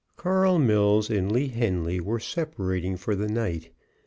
Carl Mills and Lee Henly were separating for the night.